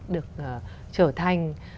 được trở thành